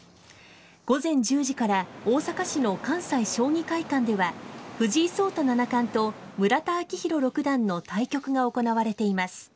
午前１０時から大阪市の関西将棋会館では、藤井聡太七冠と、村田顕弘六段の対局が行われています。